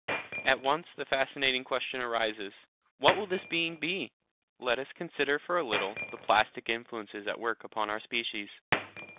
At once the fascinating question arises, What will this being be? Let us consider for a little the plastic influences at work upon our species.